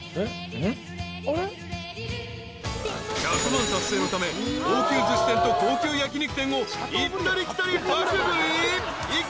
［１００万達成のため高級ずし店と高級焼き肉店を行ったり来たり爆食い。